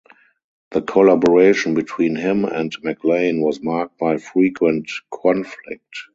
The collaboration between him and Maclaine was marked by frequent conflict.